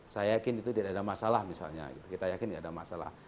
saya yakin itu tidak ada masalah misalnya gitu kita yakin tidak ada masalah